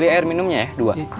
air minumnya ya dua